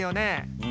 うん。